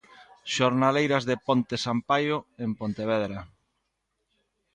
Xornaleiras de Ponte Sampaio, en Pontevedra.